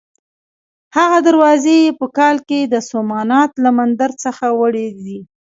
هغه دروازې یې په کال کې د سومنات له مندر څخه وړې دي.